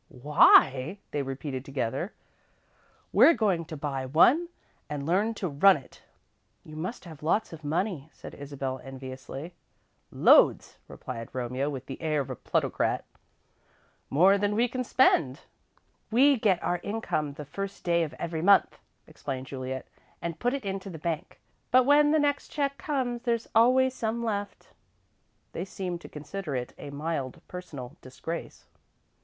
"Why?" they repeated together. "We're going to buy one and learn to run it!" "You must have lots of money," said Isabel, enviously. "Loads," replied Romeo, with the air of a plutocrat. "More than we can spend." "We get our income the first day of every month," explained Juliet, "and put it into the bank, but when the next check comes, there's always some left." They seemed to consider it a mild personal disgrace.